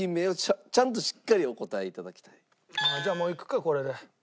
ちゃんとじゃあもういくかこれで。